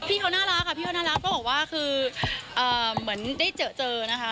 พี่เขาน่ารักค่ะพี่เขาน่ารักก็บอกว่าคือเหมือนได้เจอเจอนะคะ